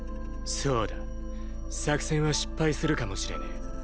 そうだ作戦は失敗するかもしれねぇ。